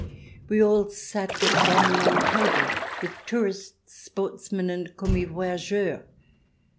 We all sat at one long table, with tourists, sportsmen, and commis voyageurs.